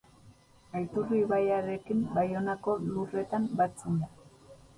Aturri ibaiarekin, Baionako lurretan batzen da.